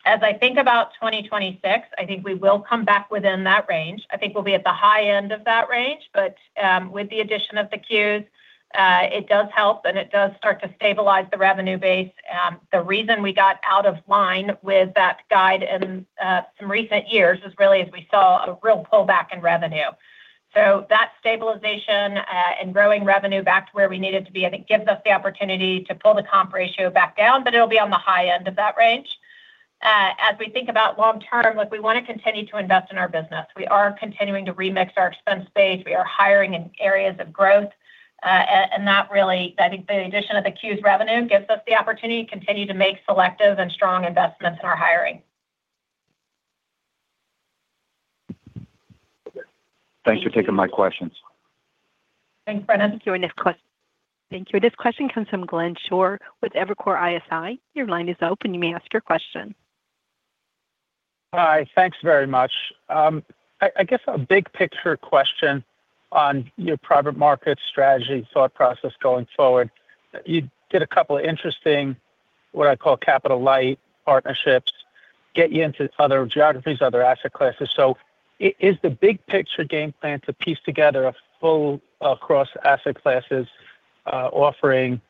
As I think about 2026, I think we will come back within that range. I think we'll be at the high end of that range, but with the addition of the Qs, it does help, and it does start to stabilize the revenue base. The reason we got out of line with that guide in some recent years is really as we saw a real pullback in revenue. So that stabilization and growing revenue back to where we needed to be, I think, gives us the opportunity to pull the comp ratio back down, but it'll be on the high end of that range. As we think about long-term, look, we want to continue to invest in our business. We are continuing to remix our expense base. We are hiring in areas of growth, and that really, I think the addition of the Qs revenue gives us the opportunity to continue to make selective and strong investments in our hiring. Thanks for taking my questions. Thanks, Brendan. Thank you. Our next question, thank you. This question comes from Glenn Schorr with Evercore ISI. Your line is open. You may ask your question. Hi, thanks very much. I guess a big picture question on your private market strategy, thought process going forward. You did a couple of interesting, what I call capital-light partnerships, get you into other geographies, other asset classes. So is the big picture game plan to piece together a full across asset classes, offering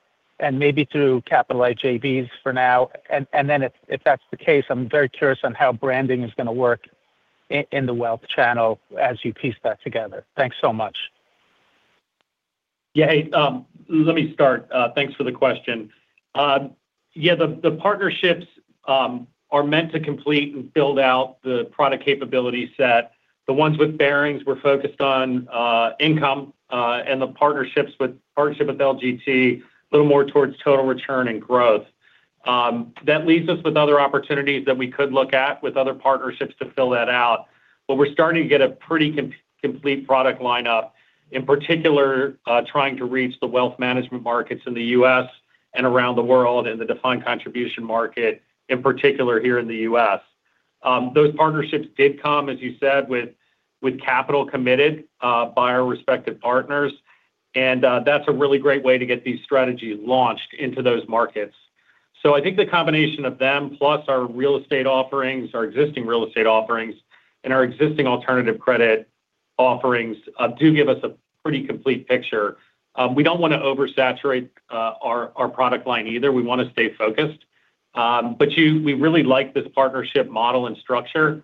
and maybe through capital JVs for now? And then if that's the case, I'm very curious on how branding is going to work in the wealth channel as you piece that together. Thanks so much. Yeah, hey, let me start. Thanks for the question. Yeah, the partnerships are meant to complete and build out the product capability set. The ones with Barings, we're focused on income, and the partnership with LGT, a little more towards total return and growth. That leaves us with other opportunities that we could look at with other partnerships to fill that out. But we're starting to get a pretty complete product lineup, in particular, trying to reach the wealth management markets in the US and around the world, in the defined contribution market, in particular, here in the US. Those partnerships did come, as you said, with capital committed by our respective partners, and that's a really great way to get these strategies launched into those markets. So I think the combination of them, plus our real estate offerings, our existing real estate offerings, and our existing alternative credit offerings, do give us a pretty complete picture. We don't want to oversaturate our our product line either. We want to stay focused. But we really like this partnership model and structure.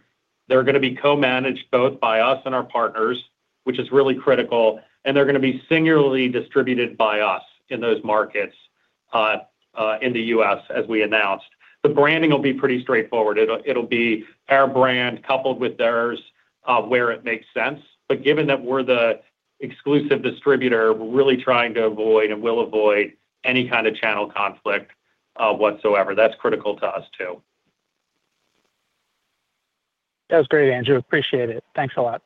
They're going to be co-managed both by us and our partners, which is really critical, and they're going to be singularly distributed by us in those markets in the US, as we announced. The branding will be pretty straightforward. It'll be our brand coupled with theirs where it makes sense. But given that we're the exclusive distributor, we're really trying to avoid and will avoid any kind of channel conflict whatsoever. That's critical to us, too. That was great, Andrew. Appreciate it. Thanks a lot.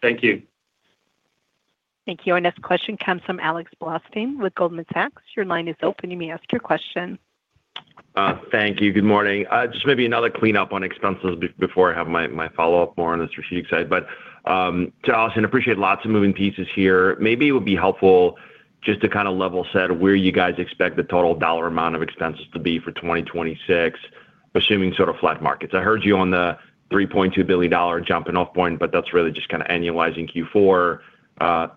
Thank you. Thank you. Our next question comes from Alex Blostein with Goldman Sachs. Your line is open. You may ask your question. Thank you. Good morning. Just maybe another cleanup on expenses before I have my follow-up more on the strategic side. But to Allison, appreciate lots of moving pieces here. Maybe it would be helpful just to kind of level set where you guys expect the total dollar amount of expenses to be for 2026, assuming sort of flat markets. I heard you on the $3.2 billion jumping off point, but that's really just kind of annualizing Q4.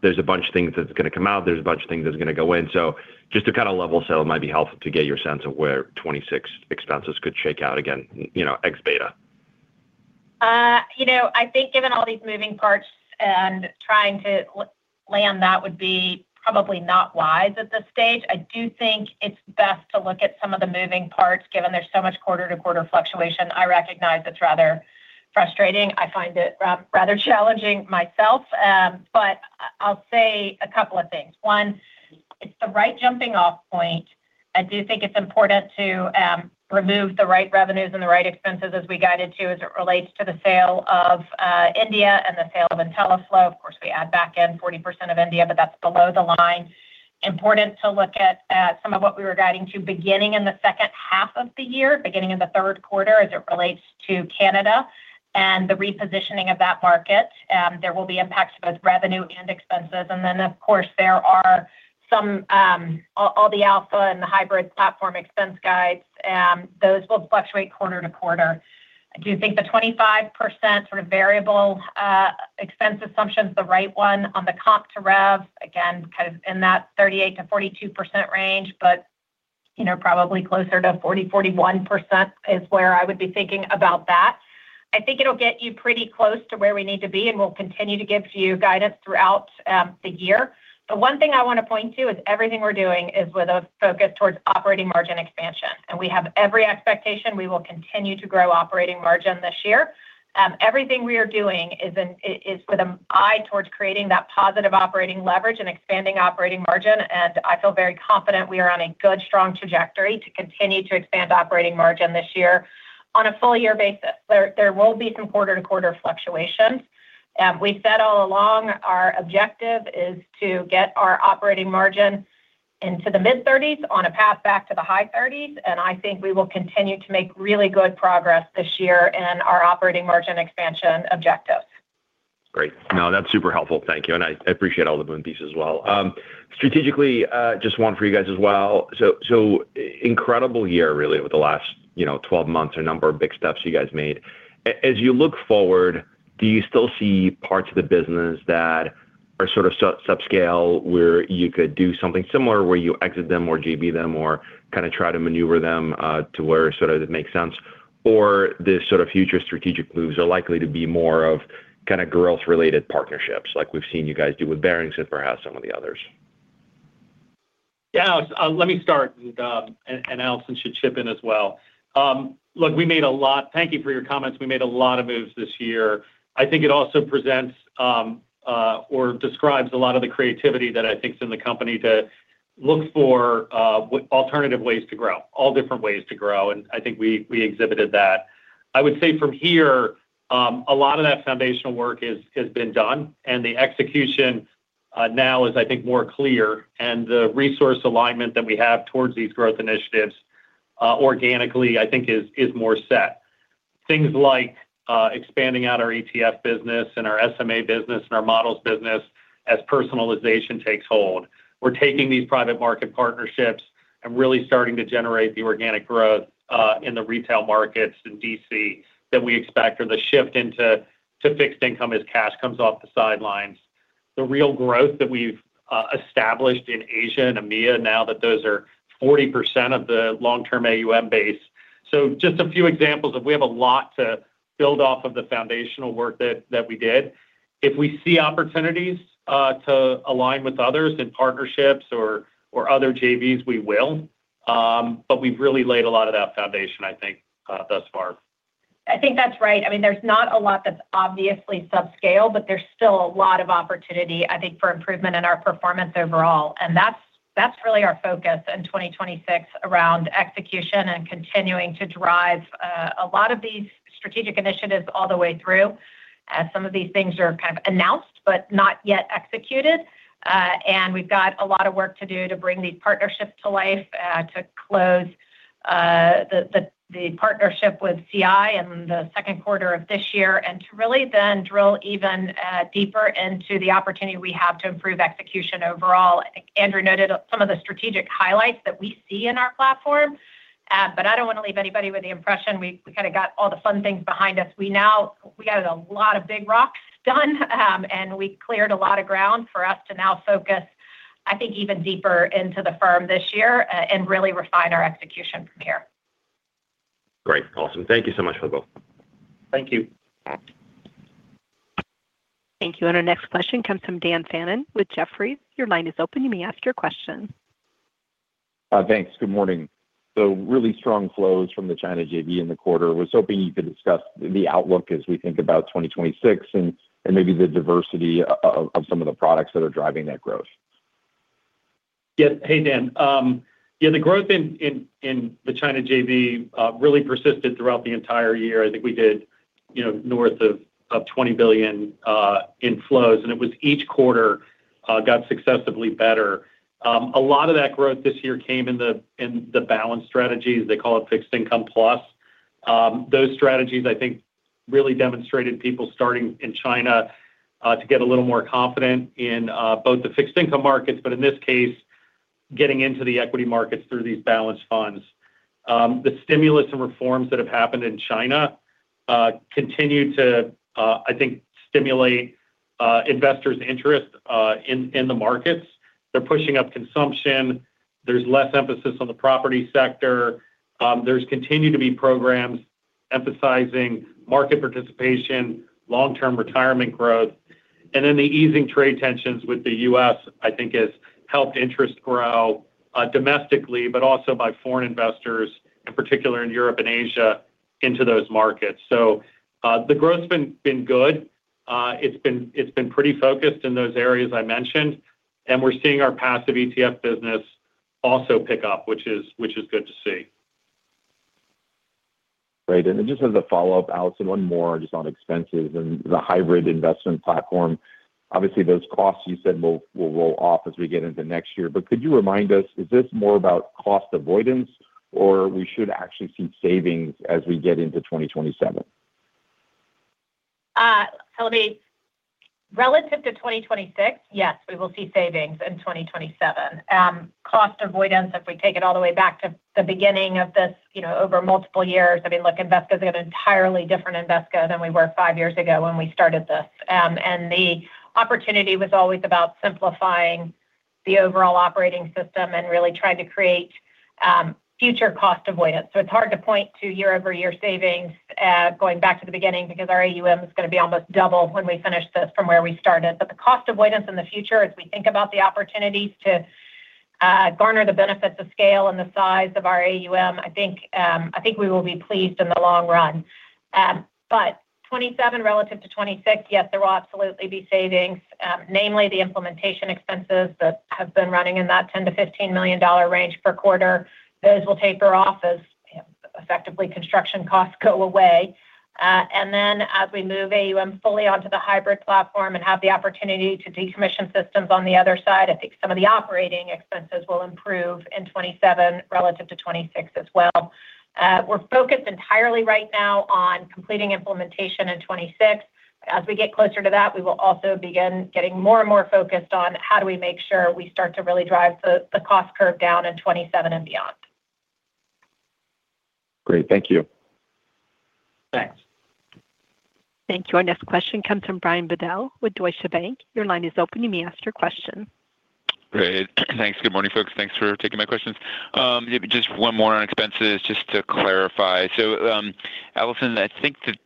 There's a bunch of things that's going to come out. There's a bunch of things that's going to go in. So just to kind of level set, it might be helpful to get your sense of where 2026 expenses could shake out again, you know, ex beta. You know, I think given all these moving parts and trying to land, that would be probably not wise at this stage. I do think it's best to look at some of the moving parts, given there's so much quarter-to-quarter fluctuation. I recognize it's rather frustrating. I find it rather challenging myself. But I'll say a couple of things. One, it's the right jumping off point. I do think it's important to remove the right revenues and the right expenses as we guide it to, as it relates to the sale of India and the sale of Intelliflo. Of course, we add back in 40% of India, but that's below the line. Important to look at some of what we were guiding to beginning in the second half of the year, beginning in the third quarter, as it relates to Canada and the repositioning of that market. There will be impacts, both revenue and expenses. And then, of course, there are some all the alpha and the hybrid platform expense guides, those will fluctuate quarter to quarter. I do think the 25% sort of variable expense assumption is the right one on the comp to rev, again, kind of in that 38%-42% range, but, you know, probably closer to 40-41% is where I would be thinking about that. I think it'll get you pretty close to where we need to be, and we'll continue to give you guidance throughout the year. One thing I want to point to is everything we're doing is with a focus towards operating margin expansion, and we have every expectation we will continue to grow operating margin this year. Everything we are doing is with an eye towards creating that positive operating leverage and expanding operating margin, and I feel very confident we are on a good, strong trajectory to continue to expand operating margin this year on a full year basis. There will be some quarter-on-quarter fluctuations. We've said all along, our objective is to get our operating margin into the mid-thirties on a path back to the high thirties, and I think we will continue to make really good progress this year in our operating margin expansion objectives. Great. No, that's super helpful. Thank you, and I, I appreciate all the moving pieces as well. Strategically, just one for you guys as well. So, so incredible year, really, with the last, you know, 12 months, a number of big steps you guys made. As you look forward, do you still see parts of the business that are sort of subscale, where you could do something similar, where you exit them or JV them, or kind of try to maneuver them, to where sort of it makes sense? Or the sort of future strategic moves are likely to be more of kind of growth-related partnerships like we've seen you guys do with Barings and perhaps some of the others? Yeah, Alex, let me start, and Allison should chip in as well. Look, we made a lot... Thank you for your comments. We made a lot of moves this year. I think it also presents, or describes a lot of the creativity that I think is in the company to look for alternative ways to grow, all different ways to grow, and I think we exhibited that. I would say from here, a lot of that foundational work has been done, and the execution now is, I think, more clear, and the resource alignment that we have towards these growth initiatives organically, I think is more set. Things like expanding out our ETF business and our SMA business and our models business as personalization takes hold. We're taking these private market partnerships and really starting to generate the organic growth in the retail markets in DC that we expect, or the shift into to fixed income as cash comes off the sidelines. The real growth that we've established in Asia and EMEA, now that those are 40% of the long-term AUM base. So just a few examples of we have a lot to build off of the foundational work that we did. If we see opportunities to align with others in partnerships or other JVs, we will. But we've really laid a lot of that foundation, I think, thus far. I think that's right. I mean, there's not a lot that's obviously subscale, but there's still a lot of opportunity, I think, for improvement in our performance overall. And that's really our focus in 2026 around execution and continuing to drive a lot of these strategic initiatives all the way through. Some of these things are kind of announced but not yet executed. And we've got a lot of work to do to bring these partnerships to life, to close the partnership with CI in the second quarter of this year, and to really then drill even deeper into the opportunity we have to improve execution overall. Andrew noted some of the strategic highlights that we see in our platform, but I don't want to leave anybody with the impression we, we kinda got all the fun things behind us. We now we got a lot of big rocks done, and we cleared a lot of ground for us to now focus, I think, even deeper into the firm this year, and really refine our execution from here. Great. Awesome. Thank you so much for both. Thank you. Thank you. And our next question comes from Dan Fannon with Jefferies. Your line is open. You may ask your question. Thanks. Good morning. So really strong flows from the China JV in the quarter. I was hoping you could discuss the outlook as we think about 2026 and, and maybe the diversity of some of the products that are driving that growth. Yeah. Hey, Dan. Yeah, the growth in the China JV really persisted throughout the entire year. I think we did, you know, north of $20 billion in flows, and it was each quarter got successively better. A lot of that growth this year came in the balanced strategies. They call it fixed income plus. Those strategies, I think, really demonstrated people starting in China to get a little more confident in both the fixed income markets, but in this case, getting into the equity markets through these balanced funds. The stimulus and reforms that have happened in China continue to, I think, stimulate investors' interest in the markets. They're pushing up consumption. There's less emphasis on the property sector. There's continued to be programs emphasizing market participation, long-term retirement growth. Then the easing trade tensions with the U.S., I think, has helped interest grow domestically, but also by foreign investors, in particular in Europe and Asia, into those markets. The growth's been good. It's been pretty focused in those areas I mentioned, and we're seeing our passive ETF business also pick up, which is good to see. Great. And then just as a follow-up, Allison, one more just on expenses and the hybrid investment platform. Obviously, those costs you said will roll off as we get into next year. But could you remind us, is this more about cost avoidance, or we should actually see savings as we get into 2027? Relative to 2026, yes, we will see savings in 2027. Cost avoidance, if we take it all the way back to the beginning of this, you know, over multiple years, I mean, look, Invesco is an entirely different Invesco than we were five years ago when we started this. And the opportunity was always about simplifying the overall operating system and really trying to create future cost avoidance. So it's hard to point to year-over-year savings going back to the beginning, because our AUM is gonna be almost double when we finish this from where we started. But the cost avoidance in the future, as we think about the opportunities to garner the benefits of scale and the size of our AUM, I think, I think we will be pleased in the long run. But 2027 relative to 2026, yes, there will absolutely be savings, namely the implementation expenses that have been running in that $10 million-$15 million range per quarter. Those will taper off as, effectively, construction costs go away. And then as we move AUM fully onto the hybrid platform and have the opportunity to decommission systems on the other side, I think some of the operating expenses will improve in 2027 relative to 2026 as well. We're focused entirely right now on completing implementation in 2026. As we get closer to that, we will also begin getting more and more focused on how do we make sure we start to really drive the, the cost curve down in 2027 and beyond. Great. Thank you. Thanks. Thank you. Our next question comes from Brian Bedell with Deutsche Bank. Your line is open. You may ask your question. Great. Thanks. Good morning, folks. Thanks for taking my questions. Just one more on expenses, just to clarify. So, Allison, I think that,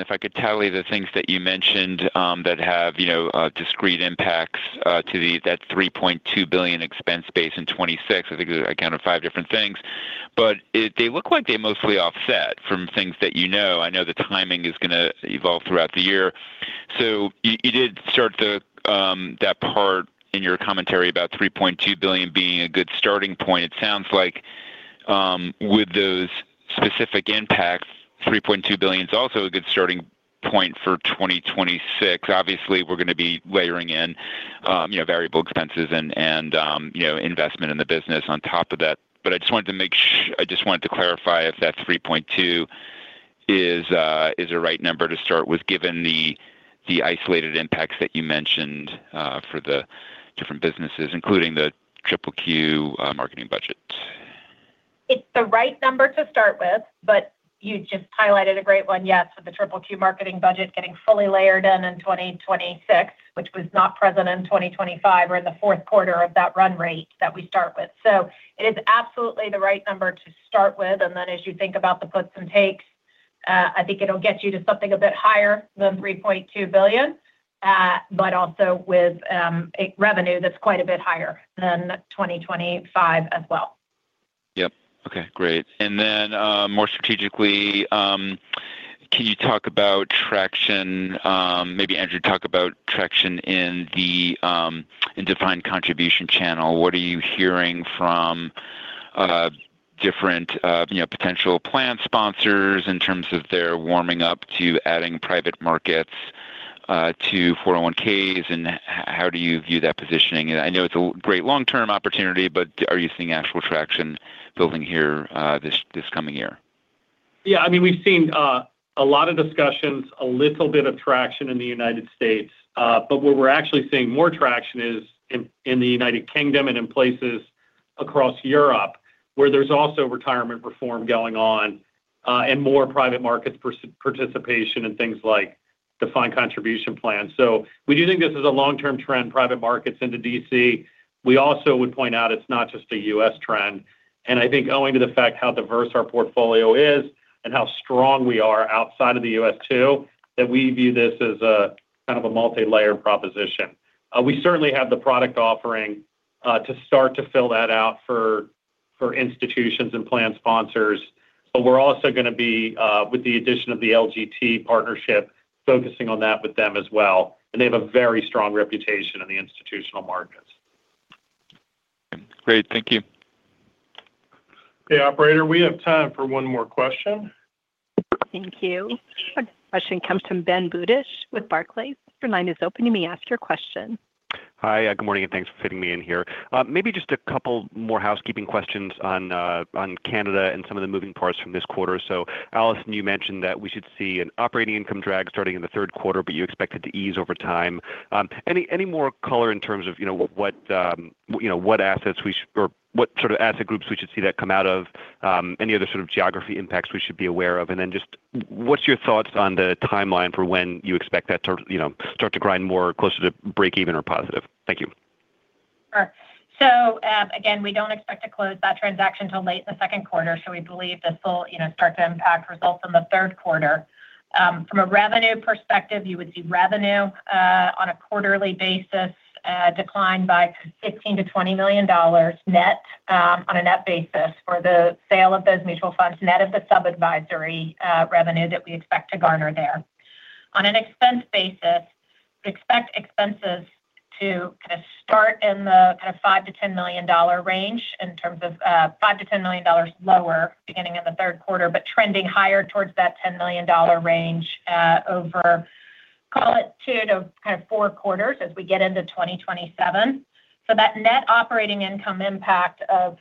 if I could tally the things that you mentioned, that have, you know, discrete impacts, to that $3.2 billion expense base in 2026, I think I counted five different things. But it, they look like they mostly offset from things that you know. I know the timing is going to evolve throughout the year. So you, you did start the, that part in your commentary about $3.2 billion being a good starting point. It sounds like, with those specific impacts, $3.2 billion is also a good starting point for 2026. Obviously, we're going to be layering in, you know, variable expenses and, you know, investment in the business on top of that. But I just wanted to make sure, I just wanted to clarify if that 3.2 is a right number to start with, given the isolated impacts that you mentioned, for the different businesses, including the QQQ marketing budget. It's the right number to start with, but you just highlighted a great one. Yes, with the Triple Q marketing budget getting fully layered in in 2026, which was not present in 2025 or in the fourth quarter of that run rate that we start with. So it is absolutely the right number to start with. And then as you think about the puts and takes, I think it'll get you to something a bit higher than $3.2 billion, but also with a revenue that's quite a bit higher than 2025 as well. Yep. Okay, great. And then, more strategically, can you talk about traction? Maybe, Andrew, talk about traction in the Defined Contribution channel. What are you hearing from different, you know, potential plan sponsors in terms of their warming up to adding private markets to 401(k)s? And how do you view that positioning? I know it's a great long-term opportunity, but are you seeing actual traction building here, this coming year? Yeah, I mean, we've seen a lot of discussions, a little bit of traction in the United States. But where we're actually seeing more traction is in the United Kingdom and in places across Europe, where there's also retirement reform going on, and more private markets participation in things like defined contribution plans. So we do think this is a long-term trend, private markets into DC. We also would point out it's not just a US trend, and I think owing to the fact how diverse our portfolio is and how strong we are outside of the US, too, that we view this as a kind of a multilayered proposition. We certainly have the product offering to start to fill that out for institutions and plan sponsors. But we're also going to be with the addition of the LGT partnership, focusing on that with them as well, and they have a very strong reputation in the institutional markets. Great. Thank you. Okay, operator, we have time for one more question. Thank you. Our question comes from Ben Budish with Barclays. Your line is open. You may ask your question. Hi, good morning, and thanks for fitting me in here. Maybe just a couple more housekeeping questions on, on Canada and some of the moving parts from this quarter. So, Allison, you mentioned that we should see an operating income drag starting in the third quarter, but you expect it to ease over time. Any, any more color in terms of, you know, what, you know, what assets we or what sort of asset groups we should see that come out of, any other sort of geography impacts we should be aware of? And then just what's your thoughts on the timeline for when you expect that to, you know, start to grind more closer to breakeven or positive? Thank you. Sure. So, again, we don't expect to close that transaction till late in the second quarter, so we believe this will, you know, start to impact results in the third quarter. From a revenue perspective, you would see revenue, on a quarterly basis, decline by $15 million-$20 million net, on a net basis for the sale of those mutual funds, net of the sub-advisory, revenue that we expect to garner there. On an expense basis, expect expenses to kind of start in the kind of $5 million-$10 million range in terms of, $5 million-$10 million lower beginning in the third quarter, but trending higher towards that $10 million range, over, call it two to kind of four quarters as we get into 2027. So that net operating income impact of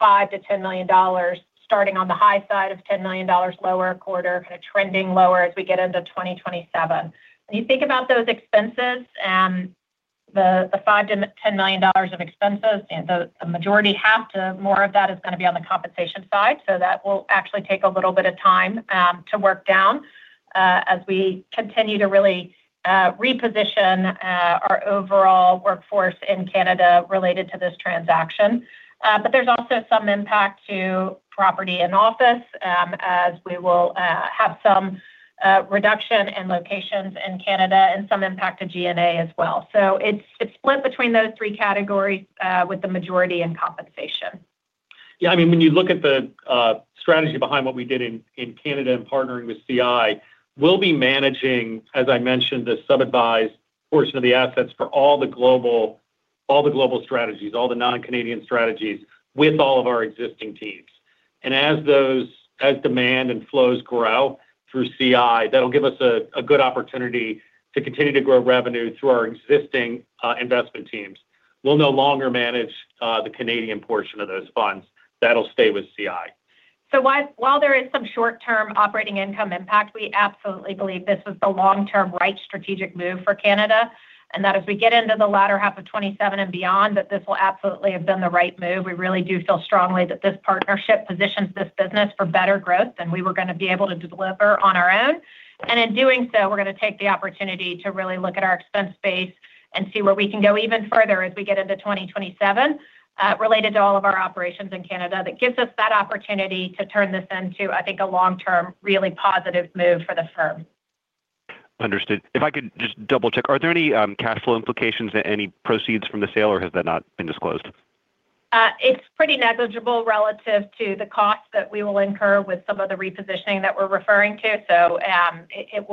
$5-$10 million, starting on the high side of $10 million lower quarter, kind of trending lower as we get into 2027. When you think about those expenses, the $5-$10 million of expenses, and the majority, half to more of that is going to be on the compensation side. So that will actually take a little bit of time to work down, as we continue to really reposition our overall workforce in Canada related to this transaction. But there's also some impact to property and office, as we will have some reduction in locations in Canada and some impact to G&A as well. So it's split between those three categories, with the majority in compensation. Yeah, I mean, when you look at the strategy behind what we did in Canada in partnering with CI, we'll be managing, as I mentioned, the sub-advised portion of the assets for all the global strategies, all the non-Canadian strategies, with all of our existing teams. As demand and flows grow through CI, that'll give us a good opportunity to continue to grow revenue through our existing investment teams. We'll no longer manage the Canadian portion of those funds. That'll stay with CI. So while, while there is some short-term operating income impact, we absolutely believe this was the long-term right strategic move for Canada, and that as we get into the latter half of 2027 and beyond, that this will absolutely have been the right move. We really do feel strongly that this partnership positions this business for better growth than we were going to be able to deliver on our own. In doing so, we're going to take the opportunity to really look at our expense base and see where we can go even further as we get into 2027, related to all of our operations in Canada. That gives us that opportunity to turn this into, I think, a long-term, really positive move for the firm. Understood. If I could just double-check, are there any, cash flow implications, any proceeds from the sale, or has that not been disclosed? It's pretty negligible relative to the cost that we will incur with some of the repositioning that we're referring to. So, it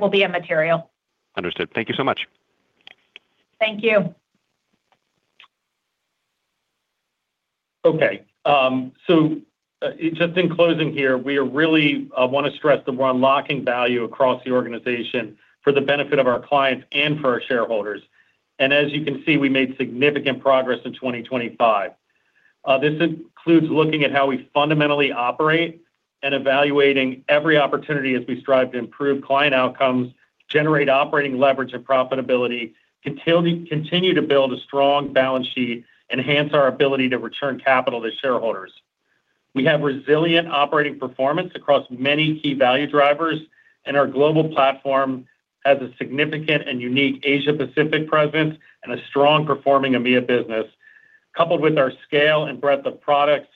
will be immaterial. Understood. Thank you so much. Thank you. Okay, so just in closing here, we are really want to stress that we're unlocking value across the organization for the benefit of our clients and for our shareholders. As you can see, we made significant progress in 2025. This includes looking at how we fundamentally operate and evaluating every opportunity as we strive to improve client outcomes, generate operating leverage and profitability, continue to build a strong balance sheet, enhance our ability to return capital to shareholders. We have resilient operating performance across many key value drivers, and our global platform has a significant and unique Asia-Pacific presence and a strong performing EMEA business. Coupled with our scale and breadth of products,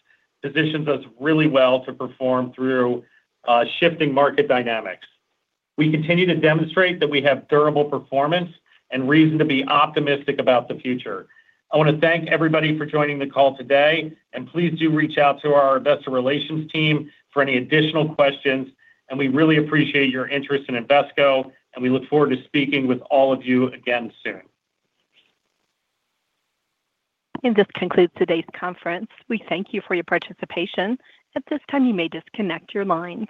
positions us really well to perform through shifting market dynamics. We continue to demonstrate that we have durable performance and reason to be optimistic about the future. I want to thank everybody for joining the call today, and please do reach out to our investor relations team for any additional questions. We really appreciate your interest in Invesco, and we look forward to speaking with all of you again soon. This concludes today's conference. We thank you for your participation. At this time, you may disconnect your lines.